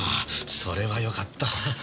それはよかった。